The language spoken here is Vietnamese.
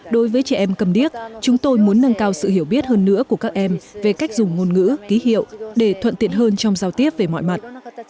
đối với trẻ em cầm điếc chúng tôi muốn nâng cao sự hiểu biết hơn nữa của các em về cách dùng ngôn ngữ ký hiệu để thuận tiện hơn trong giao tiếp về mọi mặt